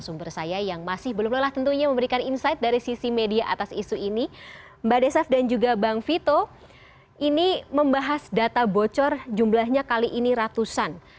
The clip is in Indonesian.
mbak desaf dan juga bang vito ini membahas data bocor jumlahnya kali ini ratusan